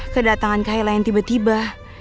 kedatangan kaila yang tiba tiba